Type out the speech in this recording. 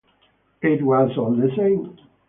It was all the same.